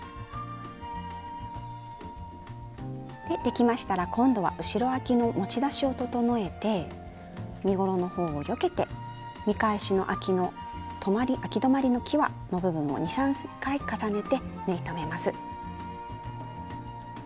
できましたら今度は後ろあきの持ち出しを整えて身ごろの方をよけて見返しのあきのあき止まりのきわの部分を２３回重ねて縫い留めます。